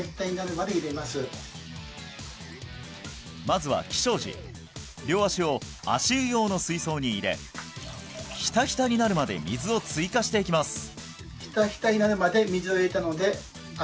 まずは起床時両足を足湯用の水槽に入れヒタヒタになるまで水を追加していきます